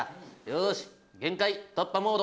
よし。